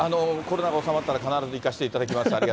コロナが収まったら、必ず行かせていただきます。